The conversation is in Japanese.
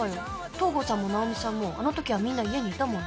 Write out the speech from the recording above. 東郷さんも奈緒美さんもあの時はみんな家にいたもの。